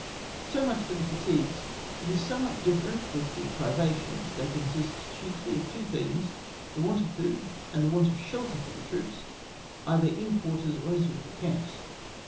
So much for the fatigues. It is somewhat different with the privations; they consist chiefly of two things, the want of food, and the want of shelter for the troops, either in quarters or in suitable camps.